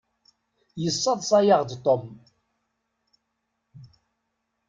Yesseḍṣa-yaɣ-d Tom.